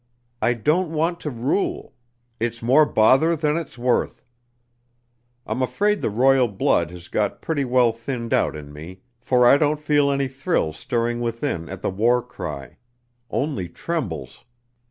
I don't want to rule; it's more bother than it's worth; I'm afraid the royal blood has got pretty well thinned out in me, for I don't feel any thrill stirring within at the war cry, only trembles.